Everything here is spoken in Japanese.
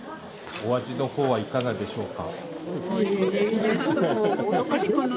お味の方はいかがでしょうか？